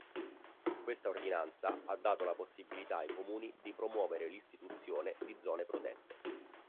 Questa ordinanza ha dato la possibilità ai comuni di promuovere l'istituzione di zone protette.